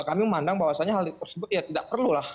kami memandang bahwasannya hal tersebut ya tidak perlulah